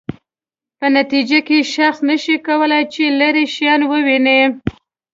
په نتیجه کې شخص نشي کولای چې لیرې شیان وویني.